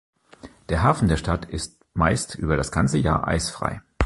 Der Hafen der Stadt ist meist über das ganze Jahr eisfrei.